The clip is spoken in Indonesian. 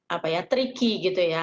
apa ya tricky gitu ya